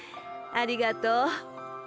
ありがとう。